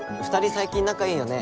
最近仲いいよね。